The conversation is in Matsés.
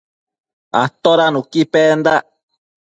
Atoda nuqui pendac?